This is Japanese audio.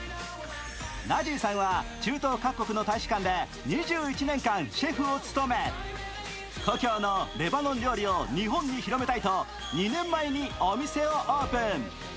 ナジーさんは中東各国の大使館で２１年間シェフを務め、故郷のレバノン料理を日本に広めたいと２年前にお店をオープン。